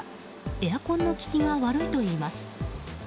エアコンの効きが悪いといいます。